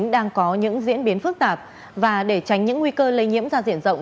đang có những diễn biến phức tạp và để tránh những nguy cơ lây nhiễm ra diện rộng